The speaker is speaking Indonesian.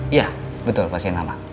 iya betul pasien lama